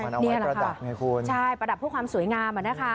มันเอาไว้ประดับไงคุณใช่ประดับเพื่อความสวยงาม